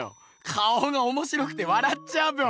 顔がおもしろくてわらっちゃうっぺよ。